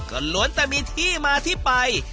ก็ล้วนแต่มีที่มาที่ไป